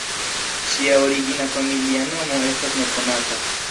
Ŝia origina familia nomo estas nekonata.